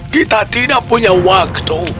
kita tidak punya waktu